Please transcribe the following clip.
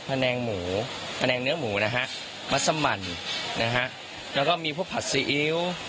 พะแนนกหมูพะแนนกเนื้อหมูนะฮะมัสมันนะฮะแล้วก็มีผู้ผัดสีอิ๊ว